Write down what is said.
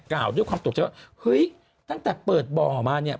กล่าวด้วยความตกใจว่าเฮ้ยตั้งแต่เปิดบ่อมาเนี่ย